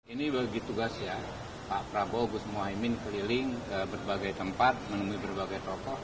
ini bagi tugas ya pak prabowo gus muhaymin keliling ke berbagai tempat menemui berbagai tokoh